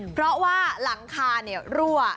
เพราะว่าหลังคาเนี่ยรั่ว